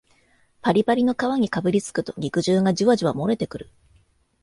パリパリの皮にかぶりつくと肉汁がジュワジュワもれてくる